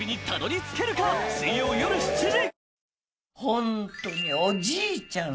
ホントにおじいちゃん